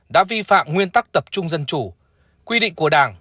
đã vi phạm nguyên tắc tập trung dân chủ quy định của đảng